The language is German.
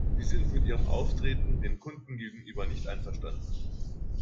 Sie sind mit ihrem Auftreten den Kunden gegenüber nicht einverstanden?